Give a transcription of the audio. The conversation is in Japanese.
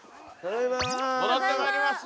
戻ってまいりました！